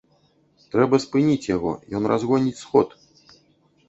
Трэба спыніць яго, ён разгоніць сход.